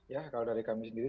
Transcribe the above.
ya kalau dari kami sendiri